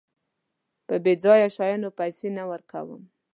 په بېځايه شيانو پيسې نه ورکوم.